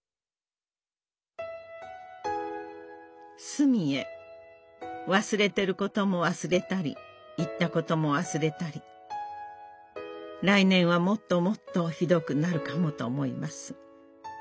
「すみへわすれてることもわすれたり言ったこともわすれたり来年はもっともっとひどくなるかもと思います！